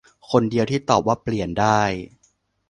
คนเดียวที่ตอบว่าเปลี่ยนได้